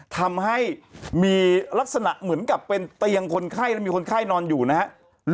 ทำให้มีลักษณะเหมือนกับเป็นเตียงคนไข้และมีคนไข้นอนอยู่นะครับ